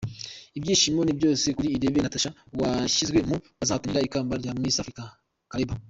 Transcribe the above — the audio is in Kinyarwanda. Ibyishimo ni byose kuri Irebe Natacha washyizwe mu bazahatanira ikamba rya Miss Africa Calabar